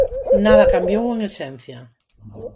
Nada cambiou en esencia.